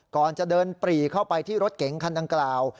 ก่อนจะเดินปรีเข้าไปที่รถเก๋งคันดังกล่าว